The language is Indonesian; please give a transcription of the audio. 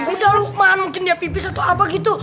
udah lukman mungkin dia pipis atau apa gitu